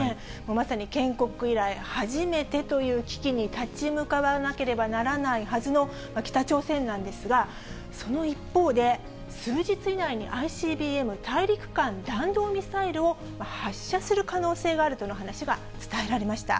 まさに建国以来初めてという危機に立ち向かわなければならないはずの北朝鮮なんですが、その一方で、数日以内にＩＣＢＭ・大陸間弾道ミサイルを発射する可能性があるとの話が伝えられました。